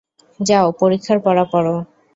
যাও পরীক্ষার পড়া পড়ো।